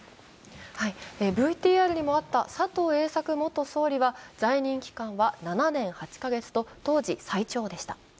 ＶＴＲにもあった佐藤栄作元総理は、在任期間は７年８か月と当時最長でした。